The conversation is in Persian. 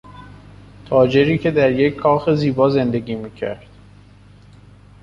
تاجری که در یک کاخ زیبا زندگی میکرد